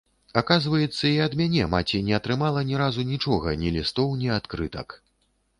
Аказваецца, і ад мяне маці не атрымала ні разу нічога, ні лістоў, ні адкрытак.